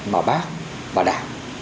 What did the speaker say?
mà bác và đảng